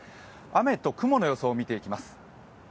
雨と雲の予想を見ていきます。